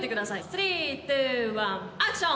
スリー・ツー・ワンアクション！